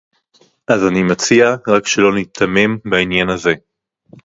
אז אני מציע רק שלא ניתמם בעניין הזה